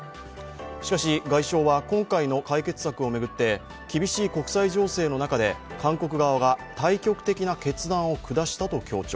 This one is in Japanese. しかし、外相は今回の解決策を巡って厳しい国際情勢の中で韓国側は大局的な決断を下したと強調。